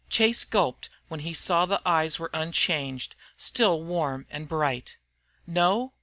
Chase gulped when he saw the eyes were unchanged, still warm and bright. "No?